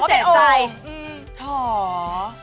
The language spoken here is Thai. แล้วเหมือนเสียใจ